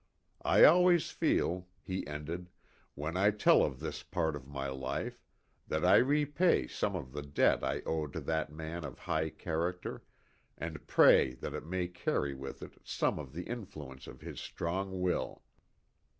" I always feel," he ended, " when I tell of this part of my life that I repay some of the debt I owe to that man of high character, and pray that it may carry with it some of the influ ence of his strong will."